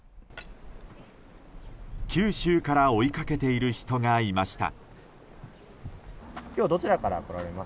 九州から追いかけている人がいました。